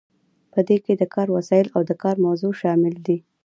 په دې کې د کار وسایل او د کار موضوع شامل دي.